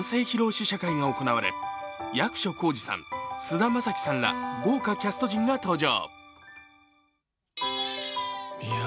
試写会が行われ、役所広司さん、菅田将暉さんら豪華キャスト陣が登場。